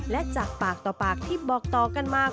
และจากปากต่อปากที่บอกต่อกันมา